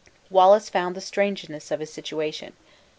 Wallace found the strangeness of his situation.